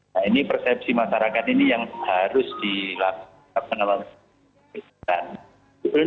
nah ini persepsi masyarakat ini yang harus dilakukan